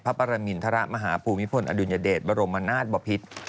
ปรมินทรมาฮภูมิพลอดุญเดชบรมนาศบพิษ